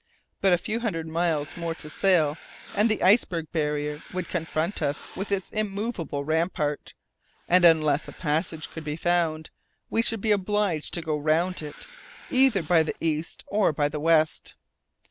But a few hundred miles more to sail, and the iceberg barrier would confront us with its immovable rampart, and unless a passage could be found, we should be obliged to go round it either by the east or by the west.